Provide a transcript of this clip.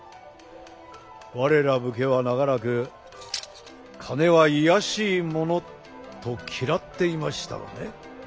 我ら武家は長らく「金は卑しいもの」と嫌っていましたがね